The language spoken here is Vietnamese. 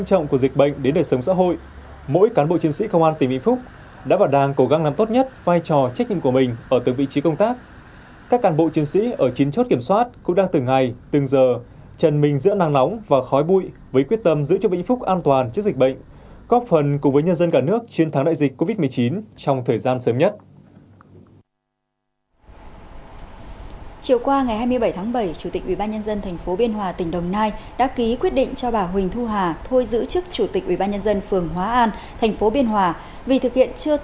thôi giữ chức chủ tịch ubnd phường hóa an tp biên hòa vì thực hiện chưa tốt công tác phòng chống dịch bệnh covid một mươi chín